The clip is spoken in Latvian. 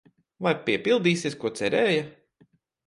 Vai piepildīsies, ko cerēja?